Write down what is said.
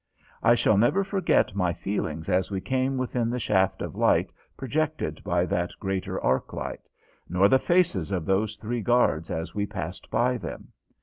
I shall never forget my feelings as we came within the shaft of light projected by that great arc light, nor the faces of those three guards as we passed by them.